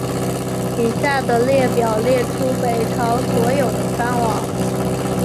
以下的列表列出北朝所有的藩王。